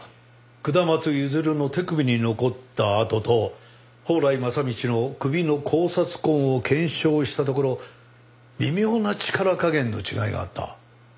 下松譲の手首に残った痕と宝来正道の首の絞殺痕を検証したところ微妙な力加減の違いがあった。